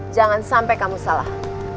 jangan sampai kamu salah